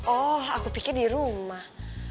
oh aku pikir di rumah